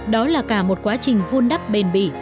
đó là cả một quá trình vun đắp bền bỉ